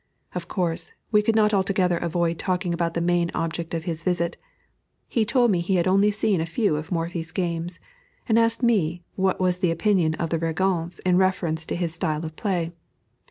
Of course, we could not altogether avoid talking about the main object of his visit; he told me he had only seen a few of Morphy's games, and asked me what was the opinion of the Régence in reference to his style of play.